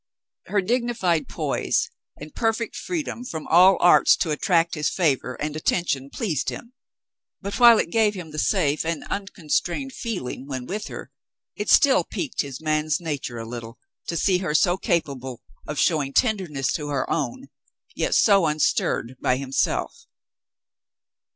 Her dignified poise and perfect freedom from all arts to attract his favor and attention pleased him, but while it gave him the safe and unconstrained feeling when with her, it still piqued his man's nature a little to see her so capable of showing tenderness to her own, yet so unstirred by him self.